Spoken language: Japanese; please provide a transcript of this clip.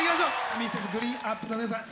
Ｍｒｓ．ＧＲＥＥＮＡＰＰＬＥの皆さん